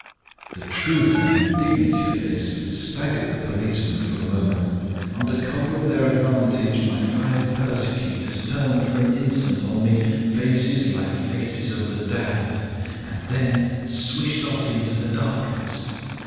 "The truth and dignity of this staggered the policeman for a moment. Under cover of their advantage my five persecutors turned for an instant on me faces like faces of the damned and then swished off into the darkness.